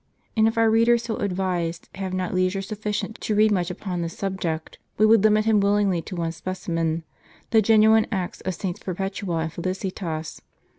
And if our reader, so advised, have not leisure sufficient to read much ujDon this subject, we would limit him willingly to one specimen, the genuine Acts of SS. Perpetua and Felicitas.